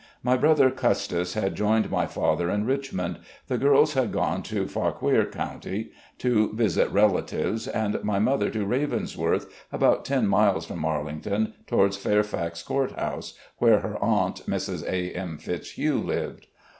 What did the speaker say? My brother, Custis, had joined my father in Richmond, the girls had gone to Fauquier coimty, to visit relatives, and my mother to Ravensworth, about ten miles from Arlington towards Fairfax Court House, where her aunt, Mrs. A. M. Fitzhugh, lived.